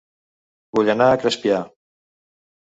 Vull anar a Crespià